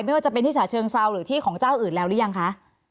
ไม่ว่าจะเป็นที่ฉะเชิงเซาหรือที่ของเจ้าอื่นแล้วหรือยังคะ